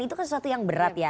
itu kan sesuatu yang benar